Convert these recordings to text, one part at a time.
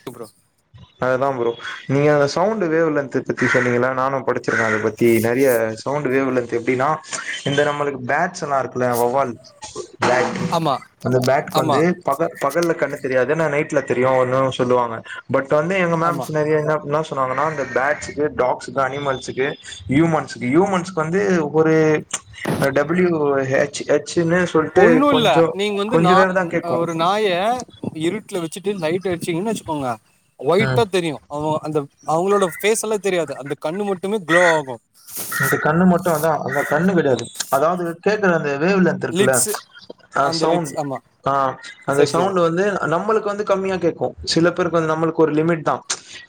சு ப்ரோ அதுதா ப்ரோ நீங்க அந்த சவுண்ட் வேவ் லென்த் பத்தி சொன்னீங்கள நானு படிச்சிருக்க அது பத்தி நெறிய சவுண்ட் வேவ்லென்த் எப்டின்னா இந்த நம்மளுக்கு பேட்ஸ் எல்லா இருக்குல்ல வவ்வால் பேட் ஆமா அந்த பேட்கு ஆமா வந்து பக பகல்ல கண்ணு தெரியாது ஆனா நைட்ல தெரியு ஒன்னு சொல்லுவாங்க பட் வந்து எங்க ஆமா மேம்ஸ் நெறைய என்ன சொல்ல சொன்னாங்கன்னா அந்த பேட்ச்சுக்கு டாக்ஸ்கு அனிமல்ஸ்கு ஹியூமன்ஸ்கு ஹியூமன்ஸ்க்கு வந்து ஒரு டபிள்யூ ஹெச் எச் ஒன்னு இல்ல நீங்க வந்து நா நேரந்தா கேக்கு ஒரு நாய இருட் இருட்ல வச்சுட்டு லைட்டு அடிச்சிங்கனு வச்சுக்கோங்க ம் ஒயிட்டா தெரியு அவ அந்த அவுங்களோட பேஸ்லா தெரியாது அந்த கண்ணு மட்டுமே குளோ ஆகு அதாவ்து கேக்குற அந்த வேவ் லென்த் இருக்குல்ல லிட்ஸ் அ அந்த சவுண்ட் லிட்ஸ் ஆமா ஆ அந்த சரி சரி சவுண்ட் வந்து நம்மளுக்கு வந்து கம்மியா கேக்கு சில பேருக் வந்து நம்மளுக்கு ஒரு லிமிட் தா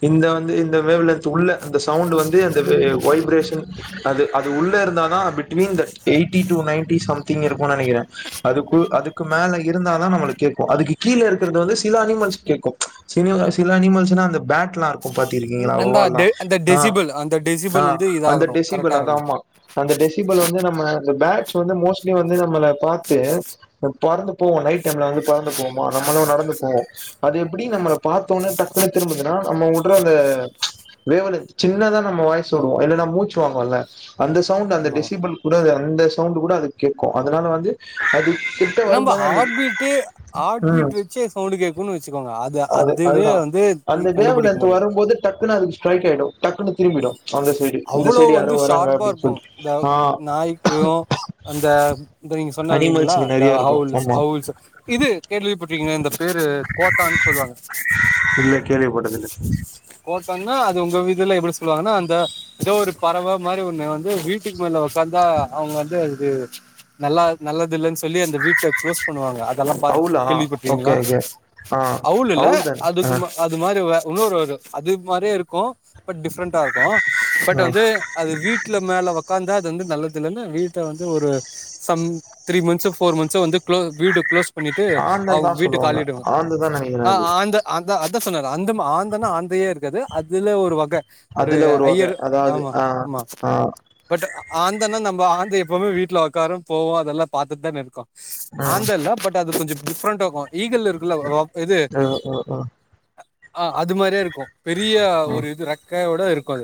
இந்த வந்து இந்த வேவ் லென்த் உள்ள இந்த சவுண்ட் வந்து அந்த வைப்ரேஷன் அது அது உள்ள இருந்தா தா between the eighty to ninety something இருக்கு நேனைக்கற அது கூ‌அதுக்கு மேல இருந்தா தா நம்பல கேக்கு அதுக்கு கீழ இருக்கிறது வந்து சில அனிமல்ஸ் கேக்கு சில சில சில அனிமல்ஸ்னா அந்த பேட் லா இருக்கு பாத்து இருக்கீங்களா அந்த வவ்வால்லா அந்த ஆ டெசிபிள் அந்த ஆ டெசிபிள் வந்து அந்த இதாகணு கரெக்டா டெசிபல் அத இருக்கணு ஆமா அந்த டெசிபல் வந்து நம்ம பேட்ஸ் வந்து மோஸ்ட்லி வந்து நம்மள பாத்து பறந்து போவு நைட் டைம்ல வந்து பறந்து போவுமா நம்மள நடந்து போவோ அது எப்டி நம்மள பாத்த உடனே டக்குனு திரும்புதுனா நம்ம உட்ர அந்த வேவ் லென்த் சின்னதா நம்ம வாய்சு விடுவோ இல்ல நம் மூச்சுவாங்குவோல அந்த சவுண்ட் அந்த ஆமா டெசிபல் கூட அந்த சவுண்ட் கூட அது கேட்கு அதனால வந்து அது கிட்ட நம்ம வரும்போது அந்த ஹார்ட்பீட்டு ஹார்ட் ம் பீட் வச்சே சவுண்ட் கேட்குனு வச்சுக்கோங்க அது அதுவே வந் அந்த வேவ் லென்த் வருபோது டக்குனு அதுக்கு ஸ்ட்ரைக் ஆய்டும் டக்குனு திரும்பிடு அந்த சைடு இந்த அவ்ளோ சைடு யாரோ வந்து வராங்க ஷார்பா அப்படின்னு இருக்கு சொல்லிட்டு அந்த ஆ நாய்க்கு அந்த த நீங்க சொன்ன னீங்ளா அனிமல்ஸுக்கு இந்த நெறைய இருக்கும் அவுல்ஸ் ஆமா அவுல்ஸ் இது கேள்விப்பட்டிருக்கிங்களா இந்த பேரு கோட்டான் சொல்லுவாங்க இல்ல கேள்விபட்டதுல்ல [unintelligible] அது உங்க இதுல எப்டி சொல்லுவாங்கனா அந்த ஏதோ ஒரு பறவ மாரி ஒன்னு வந்து வீட்டுக்கு மேல உக்காந்தா அவங்க வந்து அது நல்லா நல்லது இல்லன்னு சொல்லி அந்த வீட்ட குளோஸ் பண்ணுவாங்க அதெல்லா பா அவுலா ஓகே கேள்விப்பட்டீங்களா ஓகே ஆ அவுல் இல்ல தன் ஆ அதுக்கு அது மாரி வேற இன்னொரு ஒரு அது மாரியே இருக்கு பட் டிஃபிரண்ட் இருக்கு பட் ஆ வந்து அது வீ ட்ல மேல உக்காந்தா அது வந்து நல்லது இல்லன்னு வீட்ட வந்து ஒரு சம் த்ரீ மந்த்ஸ்சோ ஃபோர் மந்த்ஸ்சோ வந்து குளோ வீடு குளோஸ் பண்ணிட்டு ஆந்தன் அவுங் தான் வீட்ட சொல்லுவாங்க காலிடுவ ஆந்து தான் நெனைக்கிறே ஆ அது ஆந்த அதா அ த சொன்னார் அந்த ஆந்தனா ஆந்தையே இருக்காது அதுல ஒரு வக அதுல ஒரு வக அதாது ஆ ஆ ஆந்தனா நம்ம ஆந்த எப்பமே வீட்ல உக்காரு போவோ அதெல்லா பாத்துட் தான இருக்கோ ம் ஆந்த இல்ல பட் அது கொஞ்ச டிஃப்ரெண்டா இருக்கு ஈகல் இருக்குல வோ இது ஓ ஓ ஓ ஆ அது மாரியா இருக்கு பெரிய ஓ ஒரு ம் இது ரக்கயோட இருக்கு அது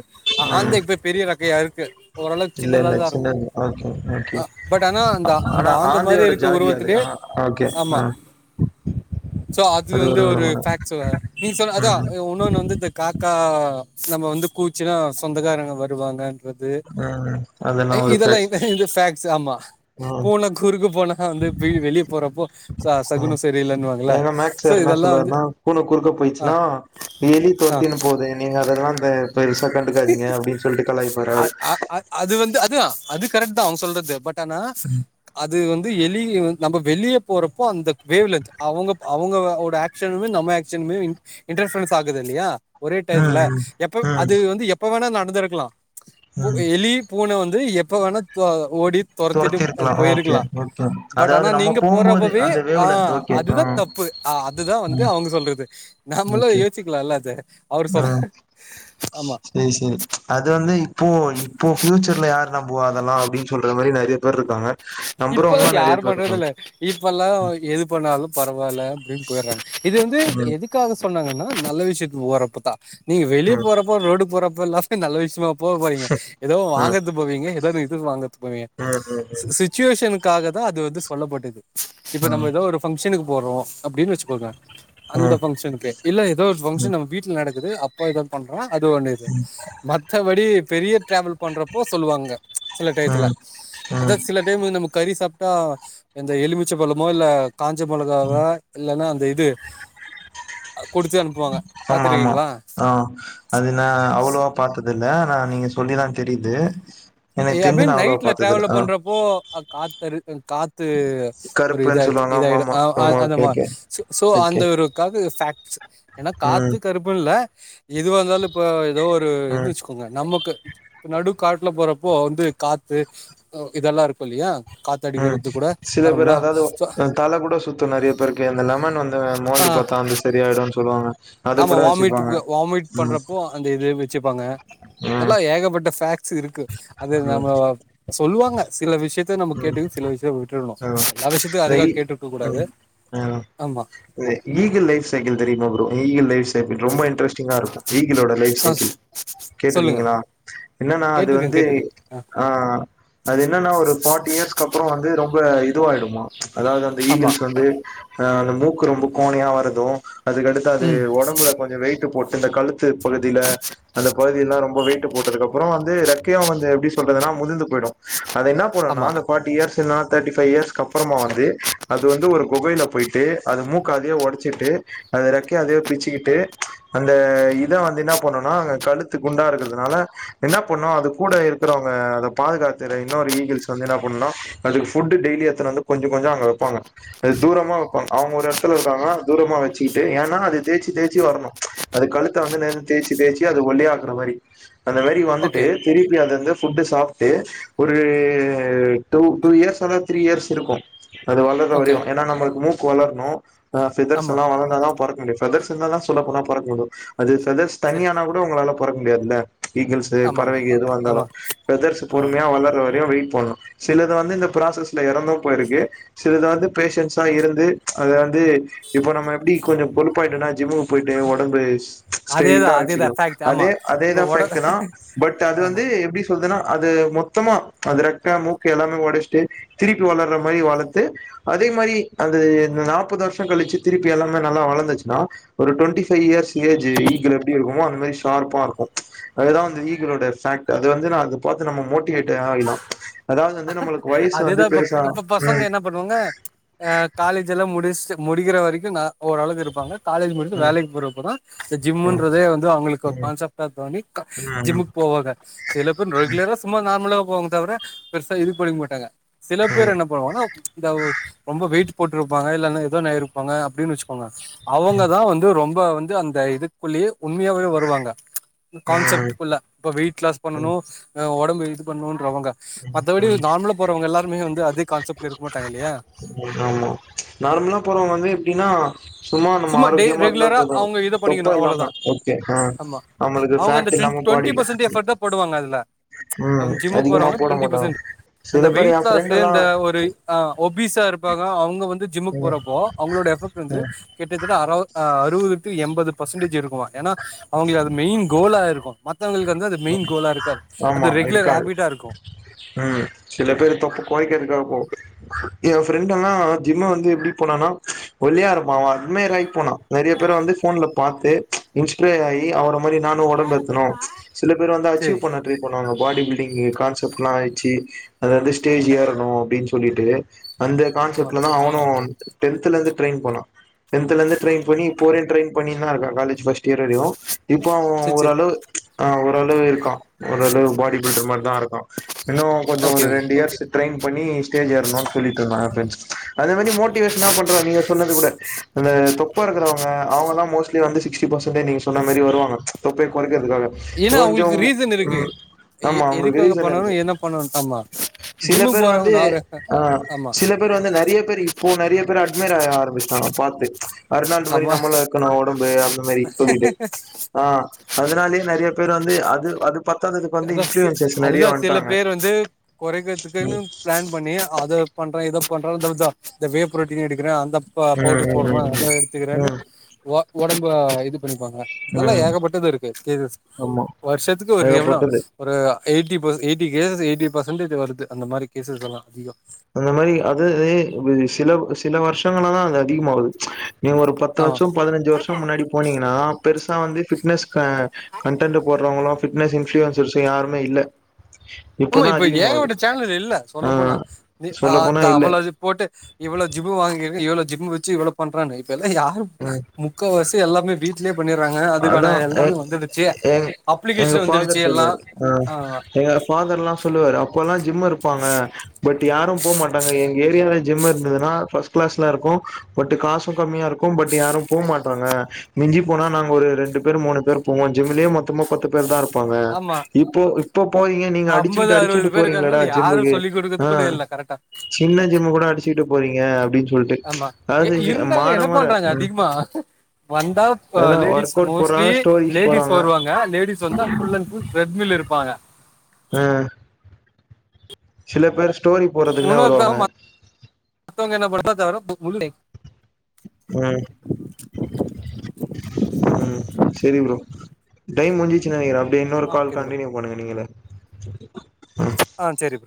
ஆந்த இப்ப பெரிய ரக்கயா இருக்கு ஓரளவுக்கு இல்ல சின்னதா இல்ல தா இருக்கு சின்னது ஓகே ஓகே ஆ பட் ஆனா ஆ அந்த அந்த ஆனா ஆந்த மாரியே ஆந்தையோட இருக்க ஜாதி அது உருவத்திலே ஆ ஓகே ஆமா [inaudible] சோ அது வந்து ஒரு ஃபாக்ஸுவ நீங்க சொன்ன அதா ம் உன்னொன்னு வந்து இந்த காக்கா நம்ம வந்து கூவுச்சுனா சொந்தக்காரங்க வருவாங்க அது ம் அதெல்லா ஒரு இதெல்லா ஃபேக்ட்ஸ் இது ஃபாக்ஸ் ஆமா ம் பூன குறுக்கு போன ஆவந்து வெ வெளியே போறப்போ ச ம் சகுன சரிய இல்லன்னுவாங்கள எங்க மேக்ஸ் சோ சார் என்ன இதெல்லா வந்து சொல்லுவாருன்னா பூன குறுக்க ஆ போயிச்சுன்னா எலி ஆ தொரத்தினு போவுதே நீங்க அதெல்லா அந்த அ அவரு அ அ அது வந்து அதா அதுக் கரெக்ட் தா அவங்க சொல்றது பட் ஆனா அத் அது வந்து எலி நம்ம வெளியே போறப்போ அந்த வேவ் லென்த் அவுங்க அவுங்க ஓட ஆக்ஷனுமே நம்ம ஆக்ஷனுமே இன்டர்ஃபரன்ஸ் ஆகுதுல்யா ஒரே டைதுல ம் எப்ப ம் ம் அது வந்து எப்ப வேணா நடந்திருக்கலா ம் எலி பூன வந் து எப்ப வேனா தோ ஓடி தோரத்திட்டு அது தொரத்திருக்கலா ஓகே போயிருக்கலா ஓகே பட் அதாவது ஆனா நம்ம நீங்க போம்போது போறப்பவே அந்த ஆ வேவ் லென்த் ஓகே ஆ அதுதா தப்பு அதுதா வந்து ம் அவுங்க சொல்றது நம்மளு ஓகே யோசிக்கலால அத அவரு ஆ சொல்ல ஆமா சேரி சேரி அது வந்து இப்போ இப்போ ஃபியூச்சர்ல யாரு நம்புவா அதெல்லாம் அப்பிடின்னு சொல்ற மாதிரி நெறைய பேர் இருக்காங்க இப்பல்லாம் நம்புறவங்களு நெறைய யாரு பேர் பண்றது இருக்காங்க இல்ல இப்பல்லாம் எது பண்ணாலும் பரவால்ல அப்பிடின்னு போயிடுறாங்க இது வந்து ம் எதுக்காக சொன்னாங்கன்னா நல்ல விஷயத்து ஓறப்பதான் நீங்க வெளியே ம் போறப்போ ரோடு போறப்போ எல்லாமே நல்ல விஷயமா போப் போறீங்க ஏதோ வாங்கர்துக் போவீங்க ஏதோ ஒர் இது வாங்க உம் உம் உம் ஃபங்ஷனுக்காகத்தா அது வந்து சொல்லப்பட்டது இப்ப ம் நம்ம ம் ஏதோ ஒரு ஃபங்ஷனுக்குப் போறோ அப்பிடின்னு வச்சுக்கோங்க அந்த ம் ஃபங்க்ஷனுக்கே இல்ல ஏதோ ஒரு ஃபங்க்ஷன் ம் நம்ம வீட்டு்ல நடக்குது அப்ப ஏதோ பண்றோ அது ஒன் இது மத்தபடி பெரிய டிராவல் பண்றப்போ சொல்லுவாங்க சில டயத்துல ம் ம் அதாவது சிலர் கறி சாப்ட்டா இந்த எலுமிச்ச பழமோ இல்ல காஞ்ச மொளகாவ இல்லன்னா அந்த இது குடுத்து அனுப்புவாங்க ஆமா ஆமா பாத்துருக்கீங்களா ஆ அது நா அவ்வளோவா பாத்தது இல்ல நா நீங்க சொல்லிதா தெரியுது ஏ எனக்கு தெரிஞ்சு அபின் நா அவ்வளவா நைட்ல பாத்ததில்ல டிராவல ஆ பண்றப்போ காத்தரு காத் த்து ஒரு இத கருப்புன்னு சொல்லுவாங்க ஆமா இதாய்டு ஆமா அ அ ஆமா அந்த ஓகே மார் ஓகே சோ ஓகே அந்த ஒருக்காக ஃபாக்ட் ஏன்னா ம் காத்து கருப்புன்னு இல்ல எதுவா இருந்தாலு இப்ப ஏதோ ஒரு இது ம் வச்சுக்கோங்க நமக்கு இப்ப நடு காட்டுல போறப் போ வந்து காத்து இதெல்லா இருக்கு இல்லையா உம் காத்தடிக்கிறது கூட சில பேரு நார்மலா அதாவது சோ தல கூட சுத்து நெறைய பேருக்கு இந்த லெமன் வந்து ஆ மோந்து பாத் தா வந்து சரியாயிடும்னு சொல்லுவாங்க அது ஆமா கூட வாமிட் வச்சுப்பாங்க வாமிட் ம் பண்றப்போ அந்த இது வச்சிப்பாங்க ம் அதெல்லா ஏகப்பட்ட ஃபாக்ட் சு இருக்கு அது ம் நம்ம சொல்லுவாங்க சில விஷயத் த நம்ம ம் கேட்டு சில விஷய விட்டுரணு ஆ எல்லா விஷயத்தயு வை அதுக்காக கேட்டுட்ருக்கக் கூடாது ம் ஆமா அத ஈகில் லைஃப் சைக்கிள் தெரியுமா ப்ரோ ஈகிள் லைஃப் சைக்கிள் ரொம்ப இன்ட்ரெஸ்டிங்கா இருக்கு ஈகிலோடா லைஃப் ஆ சைக்கிள் சொ- சொல்லுங்க கேட்டிருக்கீங்களா என்னன்னா அது கேட்டிருக்கே வந்து கேட்டிருக்கே ஆ அது என்னன்னா ஒரு டுவென்டி இயர்ஸ்க்கு அப்புறம் வந்து ரொம்ப இதுவாயிடுமா அதாவது அந்த ஆமா ஈகிள்ஸ் வந்து அ அந்த மூக் முக்கு ரொம்ப கோனையா வரது அதுக்கடுத்து அது ம் ஒடம்புல கொஞ்ச வெயிட்டு போட் இந்த கழுத்துப் பகுதியில அந்த பகுதியெல்லா ரொம்ப வெயிட்டு போட்டதுக்கு அப்புற வந்து ரெக்கயு வந்து எப்பிடி சொல்றதுன்னா உதுந்து போயிடு அது என்னா பண்ணுன்னா ஆமா அந்த ஃபார்ட்டியர்ஸ் இல்னா தேர்ட்டி ஃபைவ் இயர்ஸ் க்கப்புறமா வந்து அது வந்து ஒரு கொகையில போயிட்டு அது மூக்க அதே ஒடச்சிட்டு அத ரெக்கைய அதே பிச்சுக்கிட்டு அந்த இத வந்து என்ன பண்ணுன்னா கழுத்து குண்டா இருக்கிறதுனால என்ன பண் ணு அது கூட இருக்கிறவங்க அதப் பாதுகாத்து இன்னொரு ஈகிள்ஸ் வந்து என்ன பண்ணுன்னா அதுக்கு ஃபுட் டெய்லி எடுத்துனு வந்து கொஞ்ச கொஞ்ச அங்க வைப்பாங்க அது தூரமா வப்பங்க அவங்க ஒரு எடத்து துல இருக்காங்க தூரமா வச்சிக்கிட்டு ஏன்னா அது தேய்ச்சி தேச்சி வரணு அது கழுத்த வந்து இந்த தேய்ச்சி தேய்ச்சி அது ஒல்லியா ஆக்குற மாரி அந்த மாதிரி வந்துட்டு ஓகே திருப்பி அது வந்து ஃபுட்டு சாப்பிட்டு ஒரு ரு டூ டூ இயர்ஸ் வர த்ரீ இயர்ஸ் இருக்கு அது வளர்ற ஓகே வரையு ஏன்னா நம்மளுக்கு மூக்கு வளரணு ஃபெதர்ஸ் ஆமா எல்லா வளர்ந்தா தா பறக்க முடியும் ஃபெதர்ஸ் இருந்தா தா சொல்லப் போனா பறக்க முடியு அது ஃபெதர்ஸ் சரி தனியானா கூட உங்களால பறக்க முடியாதுல்ல ஈகிள்ஸு ஆமா ஆமா பறவைக எதுவா இருந்தாலு ஆமா ஃபெதர்ஸு ஆமா பொறுமையா வளர்ற வரையு வெயிட் பண்ணு சிலது வந்து இந்த ப்ராசஸ்ல இறந்து போயிருக்கு சிலது வந்து பேஷன்ஸா இருந்து அத வந் து இப்ப நம்ம எப்பிடி கொஞ்ச கொழுப் ஆய்ட்டோன்னா ஜிம்முக்கு போயிட்டு ஒடம்பு அதேதா ஸ்ட்ரெய்ட்டா அதேதா வச்சுக்கிறோ ஃபேக்ட் ஆமா அதே இப்ப அதேதா ஒட ஃபேக்ட் தா பட் அது ஆமா வந்து எப்பிடி சொல்துன்னா அது மொத்தமா அது ரெக் க்க மூக்கு எல்லாமே ஒடைச்சிட்டு திருப்பி வளர்ற மாரி வளர்த்து அதே மாரி அது நாப்பது வருஷம் கழிச்சு திருப்பி எல்லாமே நல்ல வளர்ந்துச்சுனா ஒரு twenty five years age eagle எப்பிடி இருக்குமோ அந்த மாரி ஷார்ப்பா இருக்கு அதுதா வந்து ஈகிளோட ஃபாக்ட்டு அது வந்து நா அதப் பார்த்து நம்ம மோட்டிவேட் ஆகினு அதேதா இப்ப பெருசா இப்ப பசங்க என்ன பண்ணுவாங்க ஆ காலேஜ் எல்லா முடிச் சு முடிகிற வரைக்கு தா ஓரளவு இருப்பாங்க காலேஜ் முடிச்சி ம் ம் வேலைக்கு போறப்ப தா ம் ஜிம்ன்றதே வந்து அவங்களுக்கு ம் ம் ஒரு ம் கான்செப் டா தோணி ஜிம்முக்கு போவாங்க சில பேர் ரெகுலர சும்மா நார்மலா போவாங்க தவிர பெருசா இது பண்ணிக்க மாட்டாங்க சில பேர் என்ன பண்ணுவாங்க ரொம்ப வெயிட் போட்டுருப்பாங்க இல்லனு ஏதோனு இருப்பாங்க அப்டின்னு வச்சுக்கோங்க அவங்க தா வந்து ரொம் ம்ப வந்து அந்த இதுக்குள்ளேயே உண்மையாவே வருவாங்க கான்செப்ட்டுக்குள்ள இப்ப வெயிட் லாஸ் ம் ம் பண்ணனு ஒடம்பு இது பண்ணணும்ன்றவங்க ம் மத்தப்படி ம் நார்மலா போறவங்க எல்லாருமே வந்து அதே கான்செப்ட்ல இருக்க மாட்டாங்க இல்லையா ஆமா நார்மலா போறவங்க வந்து எப்டின்னா சும்மா நம்ம டே ஆரோக்கியமா இருந்தா ரெகுலரா போது அவங்க இத தொப்பா பண்ணிக்கணு அவ்ளோதா இல்லாம ஓக்கே ஆ நம்மளுக்கு ஃபேட் இல்லாம டுவென்டி பெர்சன்ட் பாடில ஃஎபோர்ட் தா போடுவாங்க அதுல ம்ச் ம் அவங்க ஜிம் அதிகமா போறவாங்க போட டுவென்டி மாட்டாங்க பெர்சன்ட் சில அந்த பேர் வெயிட் என் லாஸ் ஃப்ரெண்ட் எல்லா இந்த ஒரு ஆ ஒபிஸா இருப்பாங்க அவங்க வந்து ஜிம்முக்கு ம் போறப்போ அவங்களுடை எப்பேக்ட் வந்து ம் கிட்டத்தட்ட அறவ் அறுவதுக்கு எம்பது பெர்சன்டேஜ் இருக்கு ஏன்னா அவங்களது மெயின் கோலா இருக்கு அடுத்தவங்களுக்கு வந்து அது மெயின் கோலா இருக்காது ஆமா அது ரெகுலர் இருக்காது ஹாபிட்டா இருக்கு ம் சில பேரு தொப்ப கொறைக்கறத்துக்காக போ என் ஃப்ரெண்டு எல்லா ஜிம்ம வந்து எப்பிடி போனனா ஒல்லீயா இரு பா அவ அட்மயர் ஆகி போனா நெறைய பேர் வந்து போன்ல பாத்து இன்ஸ்பையர் ஆகி அவர அதே மாரி நானு ஒடம்பு ஏத்தனு சில பேரு வந்து சரி அச்சீவ் பண்ண டிரை பண்ணுவாங்க பாடிபி டிங்கு கான்சப்ட் எல்லா வெச்சி அத வந்து ஸ்டேஜ் ஏரனு அப்பிடின்னு சொல்லிட்டு அந்த ஆமா கான்செப்ட்ல தா அவனு டென்த்துல இருந்து ட்ரைன் போனா டென்த்துல இருந்து ட்ரெயின் பண்ணி இப்பவரையும் ட்ரெயின் பண்ணின்னு தா இருக்கா காலேஜ் ஃபர்ஸ்ட் இயர் வரையு இப்போ அவ சரி சரி ஓரளவு ம்ச் ஆ ஓரளவு இருக்கா ஓரளவு பாடி பில்டர் மாரிதா இருக்கா இன்னு கொஞ்சு ஒரு ஓகே ஓகே ரெண்டு இயர்ஸு ட்ரைன் பண்ணி ஸ்டேஜ் ஏறணுனு சொல்லிட்டு இருந்தா ஃபிரண்ட்ஸ் அதமாரி மோட்டிவேஷனா பண்றா நீங்க சொன்னது கூட அந்த தொப்பை இருக்கிறவங்க அவங்கல்லா மோஸ்ட்லி வந்து சிக்ஸ்டி பர்சென்டேஜ் நீங்க சொன்ன மேரி வருவாங்க ம்ச் தொப்பைய கொறைக்கிறதுக்காக ஏன்னா கொஞ்சு அவங்களுக்கு ரீசன் நம்ம இருக்கு எ ஆமா அவங்களுக்கு எதுக்காக ரீஸன் பண்ணணு இருக்கு என்ன பண்ணணு ஆமா சில ஜிம்முக்கு பேர் வந்து போறவங்க நாரு ஆ ஆமா சில பேர் வந்து நெறைய பேர் இப்போ நெறைய பேர் அட்மயர் ஆக ஆரம்பிச்சிட்டாங்க பாத்து மச் அர்னால்டு மாரி ஆமா நம்மளு இருக்கணு ஒடம்பு அந்த மாரி சொல்லிட்டு ம்ச் ஆ அதனாலேயே சில பேர் வந்து அது அது வந்து அதா இன்ஃப்ளூயன்சஸ் நெறைய அதுதா சில வந்ட்டாங்க பேர் வந்து கொறைக்கிறத்துக்குன்னு ம் பிளான் பண்ணி அத பண்றே இத பண்றாங்கன்னு தெரிஞ்சா இந்த வே புரோட்டின் எடுக்கிறே அந்த பா ம் பவுடர் போடுறே ம் அத ம் எடுத்துக்கிறனு ம் ஒ ஒடம்ப இது பண்ணிப்பாங்க இதெல்லா ம் ம் ஏகப்பட்டது இருக்கு இது ஆமா வருஷத்துக்கு ஒரு எவ்ளோ ஏகப்பட்டது ஒரு eighty per eighty cases eighty percentage வருது அந்த மாரி கேசஸ் எல்லா ஐயையோ அந்த மாரி அதாவது இப்டி சில சில வருஷங்களாதா அது அதிகமாகுது ம்ச் நீங்க ஒரு பத்து ஆமா வருஷோ பதினஞ்சு வருஷோ முன்னாடி போனீங்கன்னா பெருசா வந்து ஃபிட்னஸ் ஆ கண்டென்ட் போடுறவங்களு ஃபிட்னஸ் இன்ஃப்ளூன்ஸ்ர்ஸ் யாருமே இல்ல ஆமா இப்பதா இப்ப அதிகமாவுது ஏகப்பட்ட சேனல் இல்ல ஆ சொல்லப்போனா ஆ சொல்ல போனா இந்த இல்ல அவ்வளது போட்டு இவ்வளோ ஜிம் வாங்கிறக்கே இவ்வளோ ஜிம் வச்சு இவ்ளோ பண்றான்னுங்க இப்பல்லா யாரு ஆ முக்காவாசி எல்லாமே வீட்லயே பண்ணிறாங்க அதா அதுக்கான எ எல்லாமே வந்துடுச்சு எங் எங்க அப்ளிகேஷன் வந்துடுச்சு ஃபாதர் எல்லா சொல்லுவாரு ஆ எங்க ஃபாதர் எல்லா சொல்லுவாரு அப்பல்லா ஜிம் இருப்பாங்க பட் யாரும் போ மாட்டாங்க எங்க ஏரியால ஜிம் இருந்ததுனா பஸ்ட் கிளாஸ்ல இருக்கு பட் காசு கம்மியா இருக்கு பட் யாரு போ மாட்டங்க மிஞ்சி போனா நாங்க ஒரு ரெண்டு பேர் மூணு பேர் போவோ ஜிம்லயே மொத்தமா பத்து பேர் தா இரு இருப்பாங்க ஆமா இப்போ இப்போ போறீங்க நீங்க ஐம்பது அடிச்சீட்டு அறுபது அடிச்சீட்டு பேர் போறீங்களடா இருக்காங்கனால யாரும் ஜிம்முக்கு சொல்லி் ஆ குடுக்கறது கூட இல்ல கரெக்டா சின்ன ஜிம் கூட அடிச்சியீட்டு போறீங்க அப்படின்னு சொல்லிட்டு ம்ச் அதாவது மாற மாற ம் ஜிம்மா வந்தா ஆ அதா லேடிஸ் ஒர்க் அவுட் மோஸ்ட்லி போறாங்க ஸ்டோரிஸ் லேடிஸ் போறாங்க வருவாங்க லேடிஸ் வந்தா full and full treadmill இருப்பாங்க ஆ சில பேரு ஊன தா மத் மத்தவங்க என்ன பண்ரவங்க தவிர புல் ம் ம் சரி ப்ரோ டைம் முஞ்சிச்சு நெனக்கிறே அப்படியே இன்னொரு ஆ கால் ஓகே கண்டினியூ பண்ணுங்க நீங்க ம்ச் ஆ செரி